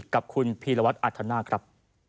กับคุณพีรวัตรอัธนาคครับ